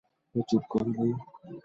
চুপ করো, রেই।